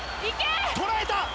捉えた！